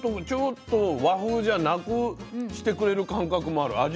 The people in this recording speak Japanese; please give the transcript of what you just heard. ちょっと和風じゃなくしてくれる感覚もある。